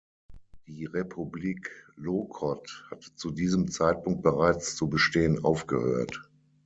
Die Republik Lokot hatte zu diesem Zeitpunkt bereits zu bestehen aufgehört.